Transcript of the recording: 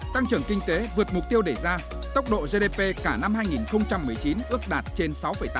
tăng trưởng kinh tế vượt mục tiêu để ra tốc độ gdp cả năm hai nghìn một mươi chín ước đạt trên sáu tám